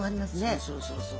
そうそうそうそう。